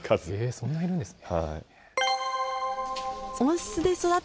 そんなにいるんですか？